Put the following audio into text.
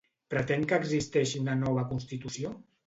Pretén que existeixi una nova Constitució?